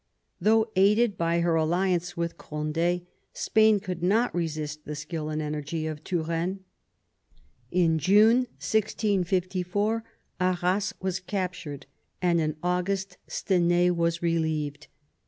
Though aided by her alliance with Cond^, Spain could not resist the skill and energy of Turenne. In June 1654 Arras was captured, and in August Stenay was relieved.